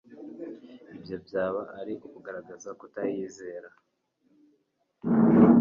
Ibyo byaba ari ukugaragaza kutayizera.